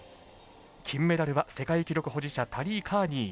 金メダルは世界記録保持者タリー・カーニー。